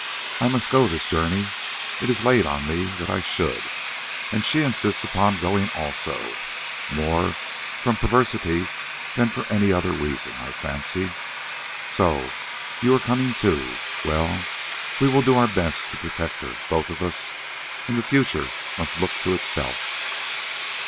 I must go this journey, it is laid on me that I should, and she insists upon going also, more from perversity than for any other reason, I fancy. So you are coming too: well, we will do our best to protect her, both of us, and the future must look to itself."